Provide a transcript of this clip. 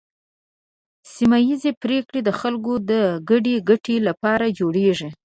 سیمه ایزې پریکړې د خلکو د ګډې ګټې لپاره جوړې کیږي.